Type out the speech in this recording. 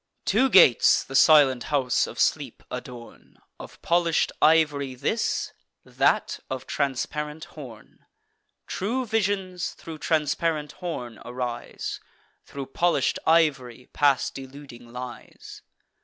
Two gates the silent house of Sleep adorn; Of polish'd ivory this, that of transparent horn: True visions thro' transparent horn arise; Thro' polish'd ivory pass deluding lies.